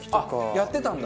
やってたんだ。